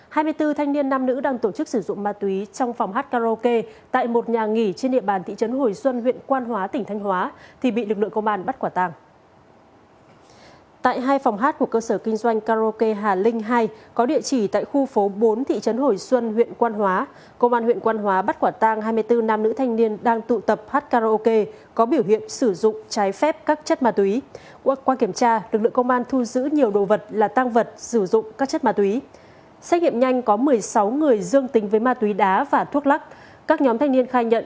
hãy đăng ký kênh để ủng hộ kênh của chúng mình nhé